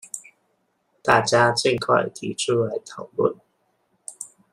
大家儘快提出來討論